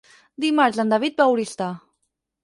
Dimarts en David va a Oristà.